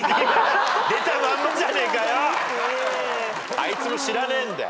あいつも知らねえんだ。